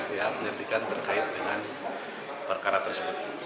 penyelidikan berkait dengan perkara tersebut